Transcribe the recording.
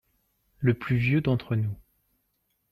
Le plus vieux d'entre nous.